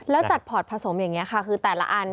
แล้วจัดพอร์ตผสมอย่างนี้ค่ะคือแต่ละอัน